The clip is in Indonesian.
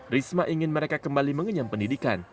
risma ingin mereka kembali mengenyam pendidikan